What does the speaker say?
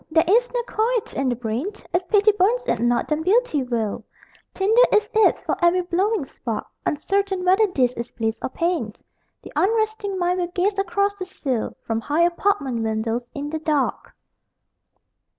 There is no quiet in the brain If pity burns it not, then beauty will: Tinder it is for every blowing spark. Uncertain whether this is bliss or pain The unresting mind will gaze across the sill From high apartment windows, in the dark.